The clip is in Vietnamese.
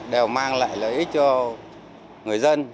đều mang lại lợi ích cho người dân